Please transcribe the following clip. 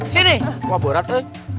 sini coba berat eh